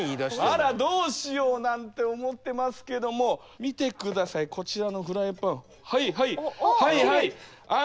あらどうしようなんて思ってますけども見て下さいこちらのフライパンはいはいはいはい安心して下さい。